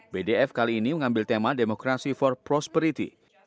bdf kali ini mengambil tema demokrasi for prosperity